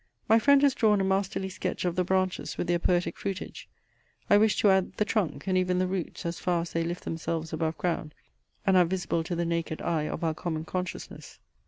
My friend has drawn a masterly sketch of the branches with their poetic fruitage. I wish to add the trunk, and even the roots as far as they lift themselves above ground, and are visible to the naked eye of our common consciousness.